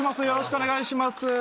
よろしくお願いします